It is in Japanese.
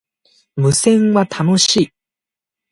無線は、楽しい